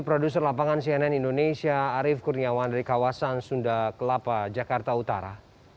produser lapangan cnn indonesia arief kurniawan dari kawasan sunda kelapa jakarta utara